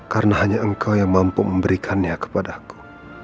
karena hanya engkau yang mampu memberikannya kepadaku